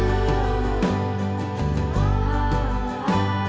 abis telah menikah